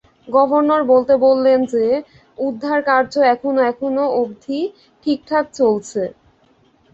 Governor বলতে বললেন যে, উদ্ধারকার্য এখনো এখনো অব্ধি ঠিকঠাক চলছে।